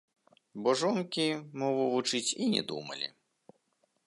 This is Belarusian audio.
Бо жонкі мову вучыць і не думалі.